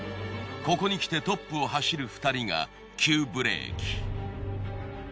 ここにきてトップを走る２人が急ブレーキ。